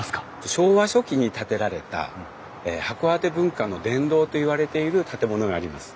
昭和初期に建てられた函館文化の殿堂といわれている建物があります。